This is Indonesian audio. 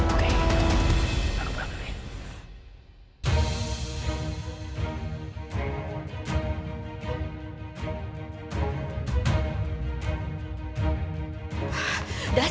oke aku berangkat